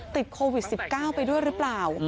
ติดโควิด๑๙ไปด้วยหรือเปล่า